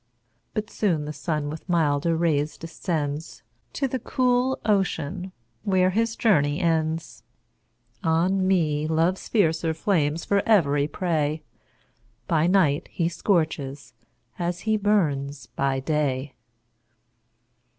But soon the sun with milder rays descendsTo the cool ocean, where his journey ends; On me Love's fiercer flames for every prey, By night he scorches, as he burns by day.